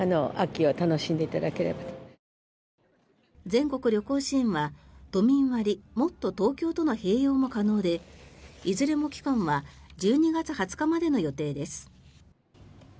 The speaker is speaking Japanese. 全国旅行支援は都民割、もっとＴｏｋｙｏとの併用も可能でいずれも期間は１２月２０日までの予定です。